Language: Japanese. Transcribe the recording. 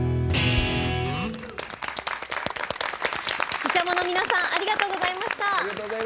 ＳＨＩＳＨＡＭＯ の皆さんありがとうございました。